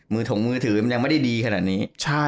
มือถงมือถือยังไม่ได้ดีขนาดนี้